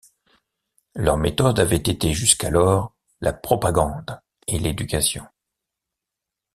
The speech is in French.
Leur méthode avait été jusqu'alors la propagande et l'éducation.